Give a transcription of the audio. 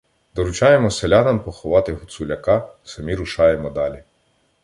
Доручаємо селянам поховати Гуцуляка, самі рушаємо далі.